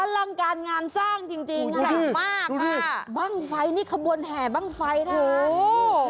อลังการงานสร้างจริงมากบ้างไฟนี่ขบวนแห่บ้างไฟนะคะ